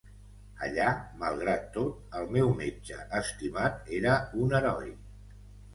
Allà, malgrat tot, el meu metge estimat era un heroi.